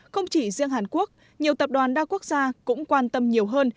không chỉ riêng hàn quốc nhiều tập đoàn đa quốc gia cũng quan tâm nhiều hơn